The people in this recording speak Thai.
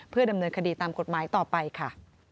ดำเนินคดีตามกฎหมายต่อไปค่ะ